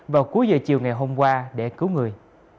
vào cuối giờ chiều ngày hôm qua để cứu người